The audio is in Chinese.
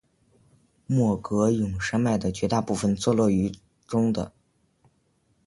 莫戈永山脉的绝大部分坐落于中的。